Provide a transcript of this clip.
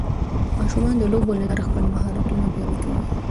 ماشومان د لوبو له لارې خپل مهارتونه پیاوړي کوي.